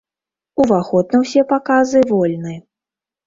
Уваход на ўсе паказы вольны.